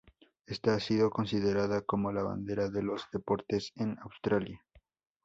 Esta ha sido considerada como la bandera de los "deportes en Australia".